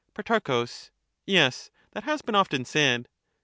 Pro. Yes, that has been often said.